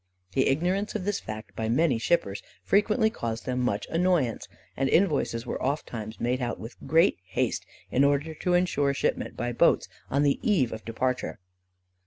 The ignorance of this fact by many shippers frequently caused them much annoyance, and invoices were ofttimes made out with great haste, in order to ensure shipment by boats on the eve of departure.